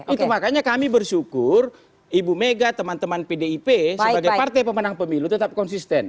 itu makanya kami bersyukur ibu mega teman teman pdip sebagai partai pemenang pemilu tetap konsisten